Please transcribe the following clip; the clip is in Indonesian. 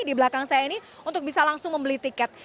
di belakang saya ini untuk bisa langsung membeli tiket